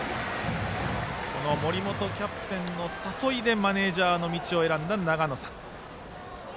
森本キャプテンの誘いでマネージャーの道を選んだ永野さん。